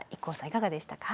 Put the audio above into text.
いかがでしたか？